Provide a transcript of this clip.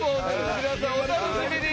皆さんお楽しみに！